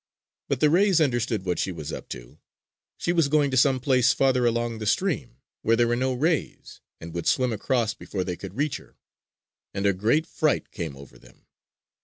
But the rays understood what she was up to. She was going to some place farther along the stream where there were no rays and would swim across before they could reach her. And a great fright came over them.